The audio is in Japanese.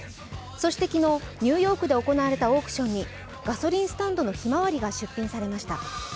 そして昨日、ニューヨークで行われたオークションに「ガソリンスタンドのひまわり」が出品されました。